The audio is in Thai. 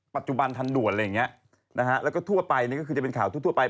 ปัจจุบันทันด่วนอะไรอย่างเงี้ยนะฮะแล้วก็ทั่วไปนี่ก็คือจะเป็นข่าวทั่วไป